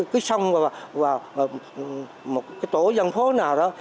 cứ xong vào một cái tổ dân phố nào đó